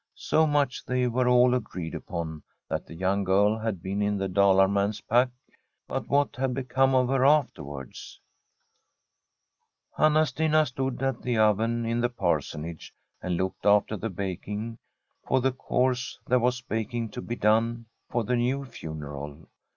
So much they were all agreed upon — that the young girl had been in the Dalar man's pack. But what had become of her afterwards ? Anna Stina stood at the oven in the Parsonage and looked after the baking, for of course there was baking to be done for the new funeral.